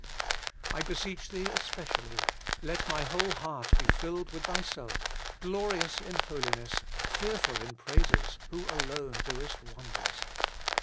1 beseech Thee especially, let my whole heart be filled with Thyself, glorious in holiness, fearful in praises, who alone doest wonders.